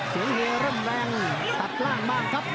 เสียงเฮเริ่มแรงตัดล่างบ้างครับ